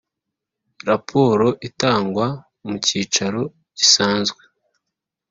Raporo itangwa mu cyicaro gisanzwe.